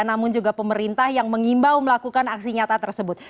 namun juga pemerintah yang mengimbau melakukan aksi nyata tersebut